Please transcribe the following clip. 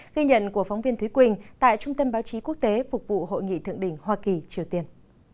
ghi nhận của phóng viên thúy quỳnh tại trung tâm báo chí quốc tế phục vụ hội nghị thượng đỉnh hoa kỳ triều tiên